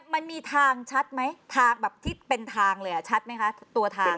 มันมีทางชัดไหมทางแบบที่เป็นทางเลยชัดไหมคะตัวทาง